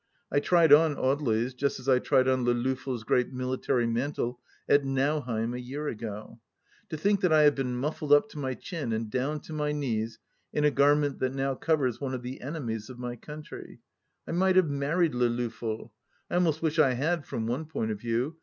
I tried on Audely's, just as I tried on Le Loffel's great military mantle at Nau heim a year ago. To think that I have been muffled up to my chin and down to my knees in a garment that now covers one of the enemies of my country 1 I might have married Le Loffel 1 I almost wish I had from one point of view.